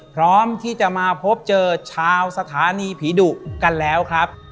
พร้อมที่จะมาพบเจอชาวสถานีผีดุกันแล้วครับ